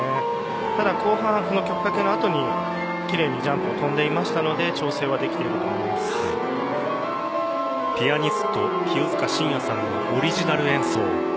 ただ後半、曲かけの後に奇麗にジャンプを跳んでいましたのでピアニスト・清塚信也さんのオリジナル演奏。